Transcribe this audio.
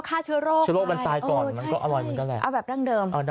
ใครอยากส่องกล้อง